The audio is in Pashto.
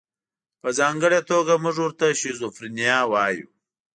په ځانګړې توګه موږ ورته شیزوفرنیا وایو.